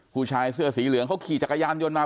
ผู้ชายเสื้อสีเหลืองเขาขี่จักรยานยนต์มา